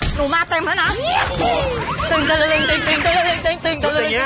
หนูมาเต็มแล้วนะ